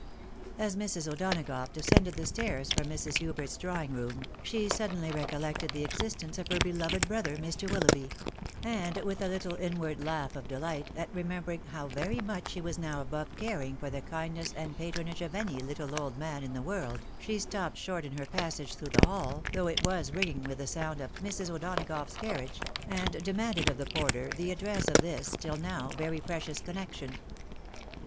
As Mrs. O'Donagough descended the stairs from Mrs. Hubert's drawing room, she suddenly recollected the existence of her be loved brother Mr. WiUoughby ; and, with a httle inward laugh of delight at remembering how very much she was now above caring for the kindness and patronage of any little old man in the world, she stopped short in her passage through the hall, though it was ringing with the sound of " Mrs. O'Donagough's carriage," and demanded of the porter the address of this, till now, very precious connection.